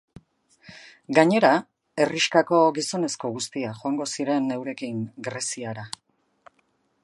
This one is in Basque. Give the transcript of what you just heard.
Gainera, herrixkako gizonezko guztiak joango ziren eurekin Greziara.